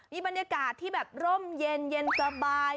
มีบรรยากาศที่แบบร่มเย็นสบาย